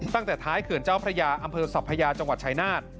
ตั้งแต่ท้ายเขื่อนเจ้าพระยาอำเภอสัพพยาจังหวัดชายนาฏ